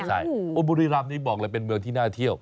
ใช่บุรีรำนี้บอกเลยเป็นเมืองที่น่าเที่ยว